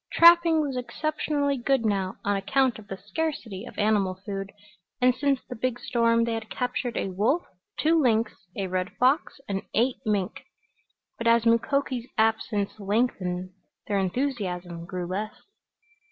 Trapping was exceptionally good now on account of the scarcity of animal food and since the big storm they had captured a wolf, two lynx, a red fox and eight mink. But as Mukoki's absence lengthened their enthusiasm grew less.